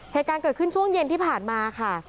เหตุการณ์เกิดขึ้นช่วงเย็นที่ผ่านมาค่ะ